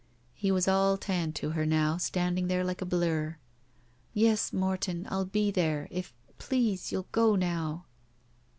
He was all tan to her now, standing there like a blur. "Yes, Morton, I'll be there. If — ^please — ^you'll go now."